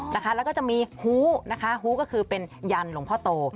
แล้วก็จะมีฮูนะคะฮู้ก็คือเป็นยันหลวงพ่อโต